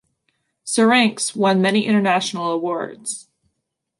"Syrinx" won many international awards.